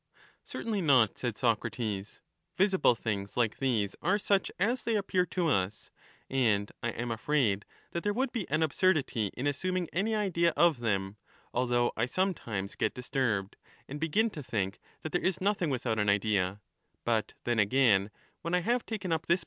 Certainly not, said Socrates ; visible things like these are Socrates such as they appear to us, and I am afraid that there would ^^j^^is be an absurdity in assuming any idea of them, although I idealism to sometimes get disturbed, and begin to think that there is ^^'*^'^' nothing without an idea ; but then again, when I have taken VOL. IV.